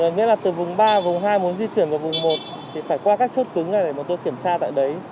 nghĩa là từ vùng ba vùng hai muốn di chuyển vào vùng một thì phải qua các chốt cứng này để mà tôi kiểm tra tại đấy